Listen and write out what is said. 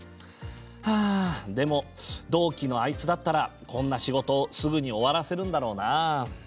ああ、でも同期のあいつだったらこんな仕事すぐに終わらせるんだろうな。